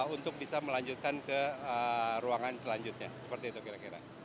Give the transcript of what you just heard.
untuk bisa melanjutkan ke ruangan selanjutnya seperti itu kira kira